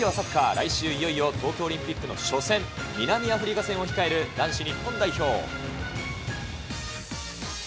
来週、いよいよ東京オリンピックの初戦、南アフリカ戦を控える男子日本代表。